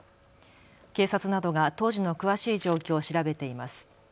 警察などが当時の詳しい状況を調べています。